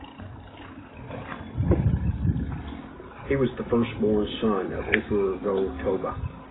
He was the firstborn son of Emperor Go-Toba.